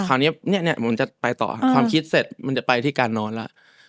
คราวนี้เนี่ยมันจะไปต่อความคิดเสร็จมันจะไปที่การนอนแล้ว